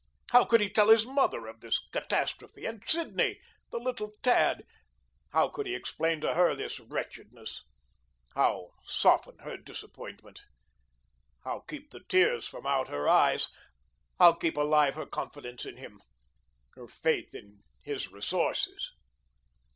How could he tell his mother of this catastrophe? And Sidney the little tad; how could he explain to her this wretchedness how soften her disappointment? How keep the tears from out her eyes how keep alive her confidence in him her faith in his resources?